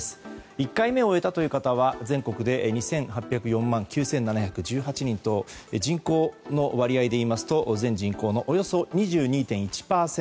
１回目を終えたという方は全国で２８０４万９７１８人と人口の割合でいいますと全人口のおよそ２２．１％。